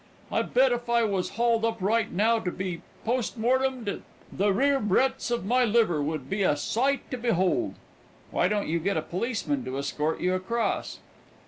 I bet if I was hauled up right now to be postmortumed the rear breadths of my liver would be a sight to behold." "Why didn't you get a policeman to escort you across?"